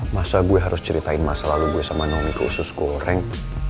masa gue harus ceritain masa lalu gue sama nonomi khusus goreng